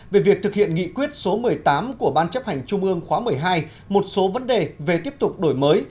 về việc thực hiện nghị quyết số một mươi tám của ban chấp hành trung ương khóa một mươi hai một số vấn đề về tiếp tục đổi mới